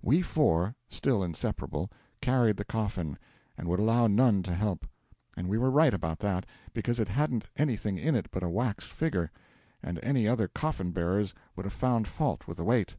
We four still inseparable carried the coffin, and would allow none to help. And we were right about that, because it hadn't anything in it but a wax figure, and any other coffin bearers would have found fault with the weight.